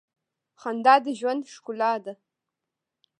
• خندا د ژوند ښکلا ده.